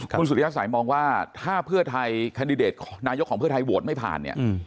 คุณสุริยสัยมองว่าถ้าเพื่อไทยแคนดิเดตนายกของเพื่อไทยโหวตไม่ผ่านเนี่ย